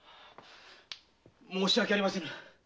申し訳ありませぬ。